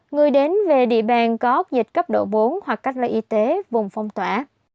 người đến về địa bàn có ốc dịch cấp độ bốn hoặc cách ly y tế vùng phong tỏa